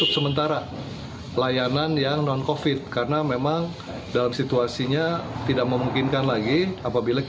selamat siang mbak